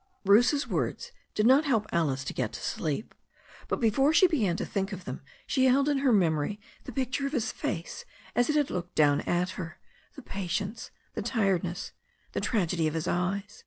Bruce's words did not help Alice to get to sleep. But before she began to think of them she held in her memory the picture of his face as it had looked down at her, the patience, the tiredness, the tragedy of his eyes.